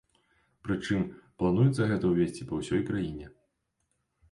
Прычым, плануецца гэта ўвесці ва ўсёй краіне.